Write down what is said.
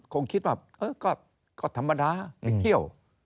คงคิดว่าก็ธรรมดาไปเที่ยว